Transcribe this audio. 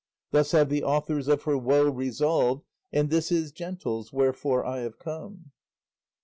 Thus have the authors of her woe resolved. And this is, gentles, wherefore I have come.